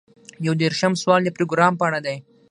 یو دېرشم سوال د پروګرام په اړه دی.